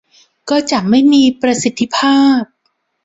ก็จะไม่มีประสิทธิภาพ